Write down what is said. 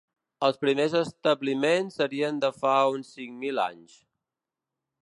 Els primers establiments serien de fa uns cinc mil anys.